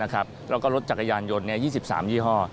แล้วก็รถจักรยานยนต์๒๓ยี่ห้อ